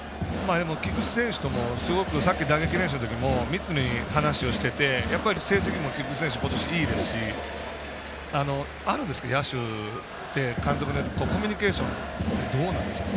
菊池選手とかも打撃練習の時も密に話をしてて、成績も菊池選手、今年いいですしあるんですか？野手って監督によってコミュニケーションってどうなんですか？